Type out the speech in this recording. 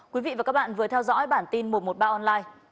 quý vị và các bạn vừa theo dõi bản tin một trăm một mươi ba online